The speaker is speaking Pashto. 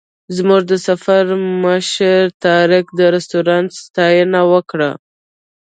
زموږ د سفر مشر طارق د رسټورانټ ستاینه وکړه.